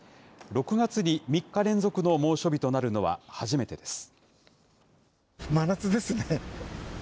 ６月に３日連続の猛暑日となるのは初めてです。